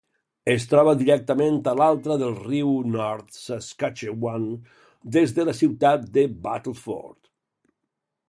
Es troba directament a l'altra del riu North Saskatchewan des de la ciutat de Battleford.